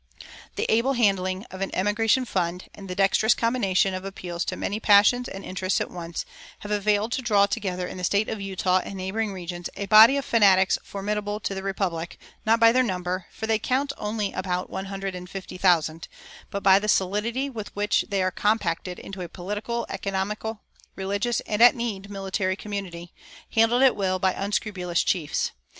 The able handling of an emigration fund, and the dexterous combination of appeals to many passions and interests at once, have availed to draw together in the State of Utah and neighboring regions a body of fanatics formidable to the Republic, not by their number, for they count only about one hundred and fifty thousand, but by the solidity with which they are compacted into a political, economical, religious, and, at need, military community, handled at will by unscrupulous chiefs.